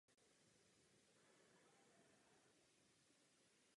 Pohřben je na Malostranském hřbitově v Praze Smíchově.